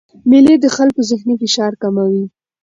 مېلې د خلکو ذهني فشار کموي.